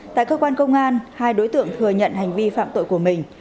tại cơ quan công an hai đối tượng thừa nhận hành vi phạm tội của mình